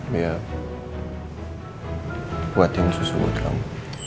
buatin susu buat kamu